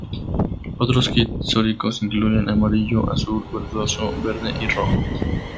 Otros kits históricos incluyen amarillo, azul verdoso, verde y rojo.